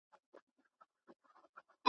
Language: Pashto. مېله وال د شاله مار یو ګوندي راسي .